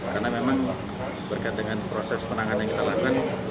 karena memang berkait dengan proses penanganan yang kita lakukan